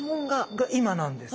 が今なんです。